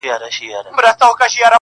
چي ياد پاته وي، ياد د نازولي زمانې,